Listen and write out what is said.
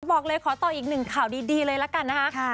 บอกเลยขอต่ออีกหนึ่งข่าวดีเลยละกันนะคะ